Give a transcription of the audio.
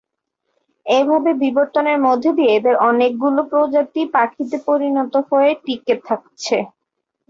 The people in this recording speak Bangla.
এভাবে বিবর্তনের মধ্য দিয়ে এদের অনেকগুলো প্রজাতি পাখিতে পরিণত হয়ে টিকে থেকেছে।